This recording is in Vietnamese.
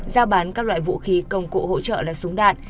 giao bán các loại vũ khí công cụ hỗ trợ là súng đạn